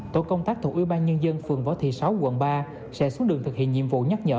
tổ công tác thuộc ybnd phường võ thị sáu quận ba sẽ xuống đường thực hiện nhiệm vụ nhắc nhở